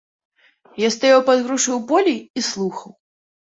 Я стаяў пад грушаю ў полі і слухаў.